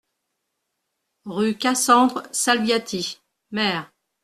Rue Cassandre Salviati, Mer